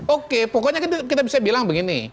oke pokoknya kan kita bisa bilang begini